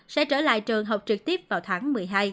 sẽ trở lại trường học trực tiếp vào tháng một mươi hai